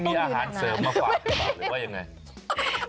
คุณมีอาหารเสริมมาฝากหรือว่าอย่างไร